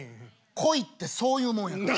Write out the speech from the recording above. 恋ってそういうもんやから。